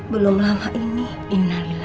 belum lama ini